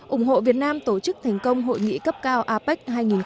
ủng hộ việt nam tổ chức thành công hội nghị cấp cao apec hai nghìn một mươi bảy